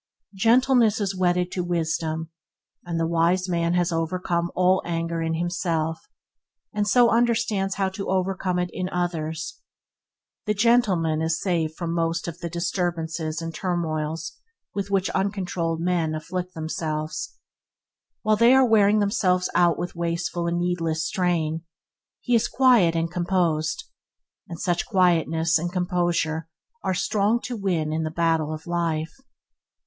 Gentleness is wedded to wisdom, and the wise man has overcome all anger in himself, and so understands how to overcome it in others. The gentleman is saved from most of the disturbances and turmoil's with which uncontrolled men afflict themselves. While they are wearing themselves out with wasteful and needless strain, he is quiet and composed, and such quietness and composure are strong to win in the battle of life.